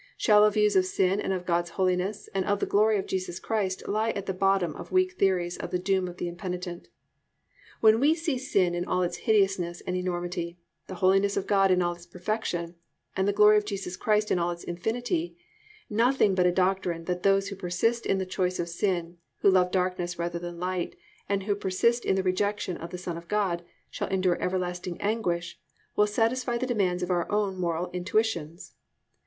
Shallow views of sin and of God's holiness and of the glory of Jesus Christ lie at the bottom of weak theories of the doom of the impenitent. When we see Sin in all its hideousness and enormity, the Holiness of God in all its perfection, and the Glory of Jesus Christ in all its infinity, nothing but a doctrine that those who persist in the choice of sin, who love darkness rather than light, and who persist in the rejection of the Son of God, shall endure everlasting anguish, will satisfy the demands of our own moral intuitions.